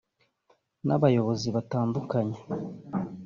n’abayobozi batandukanye